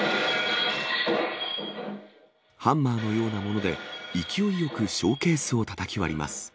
ハンマーのようなもので勢いよくショーケースをたたき割ります。